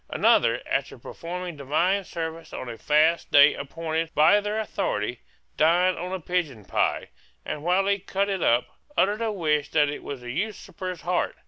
Another, after performing divine service on a fast day appointed by their authority, dined on a pigeon pie, and while he cut it up, uttered a wish that it was the usurper's heart.